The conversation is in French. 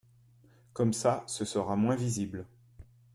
Comme ça ce sera moins visible.